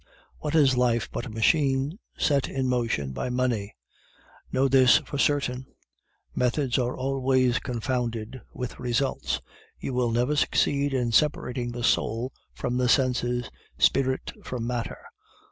What is life but a machine set in motion by money? Know this for certain methods are always confounded with results; you will never succeed in separating the soul from the senses, spirit from matter.